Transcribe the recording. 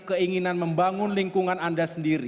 keinginan membangun lingkungan anda sendiri